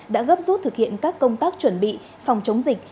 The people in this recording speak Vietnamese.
đã gấp rút thực hiện các công tác chuẩn bị phòng chống dịch